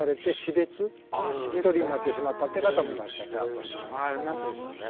やっぱそれはありますでしょうね。